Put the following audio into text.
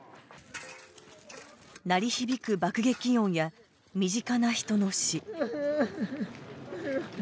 鳴り響く爆撃音や身近な人の死。